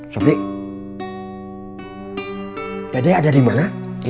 sobri dede ada di mana